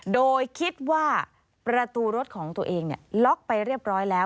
โดยคิดว่าประตูรถของตัวเองล็อกไปเรียบร้อยแล้ว